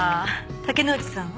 竹之内さんは？